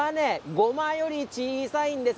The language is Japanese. ごまより小さいんです。